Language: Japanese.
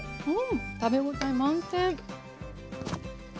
食べ応え満点！